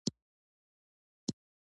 افغانستان د مېوې له پلوه متنوع دی.